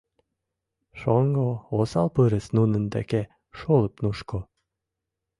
Шоҥго осал пырыс нунын деке шолып нушко.